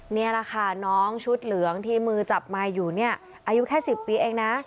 นี่แหละค่ะน้องชุดเหลืองที่มือจับไมค์อยู่เนี่ยอายุแค่๑๐ปีเองนะ